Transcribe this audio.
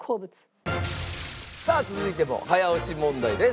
さあ続いても早押し問題です。